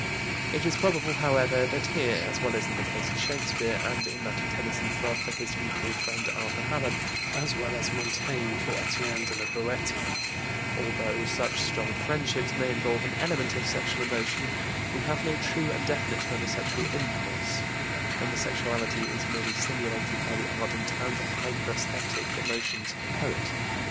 It is probable, however, that here, as well as in the case of Shakespeare, and in that of Tennyson's love for his youthful friend, Arthur Hallam, as well as of Montaigne for Etienne de la Boëtie, although such strong friendships may involve an element of sexual emotion, we have no true and definite homosexual impulse; homosexuality is merely simulated by the ardent and hyperesthetic emotions of the poet.